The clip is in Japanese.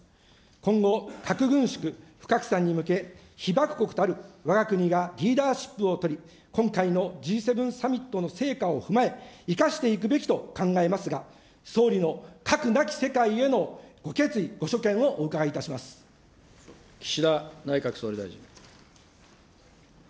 今後、核軍縮・不拡散に向け、被爆国たるわが国がリーダーシップを取り、今回のＧ７サミットの成果を踏まえ、生かしていくべきと考えますが、総理の核なき世界へのご決意、岸田内閣総理大臣。